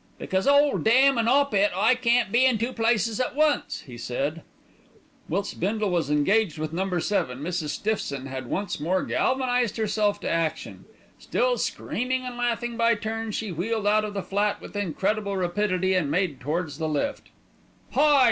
"Because Ole Damn an' 'Op it, I can't be in two places at once," he said. Whilst Bindle was engaged with Number Seven, Mrs. Stiffson had once more galvanised herself to action. Still screaming and laughing by turn, she wheeled out of the flat with incredible rapidity and made towards the lift. "Hi!